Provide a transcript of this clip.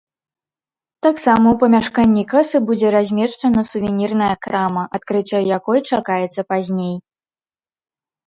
Таксама ў памяшканні касы будзе размешчана сувенірная крама, адкрыццё якой чакаецца пазней.